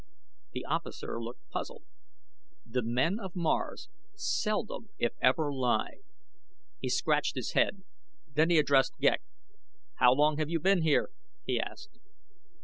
The officer looked puzzled. The men of Mars seldom if ever lie. He scratched his head. Then he addressed Ghek. "How long have you been here?" he asked.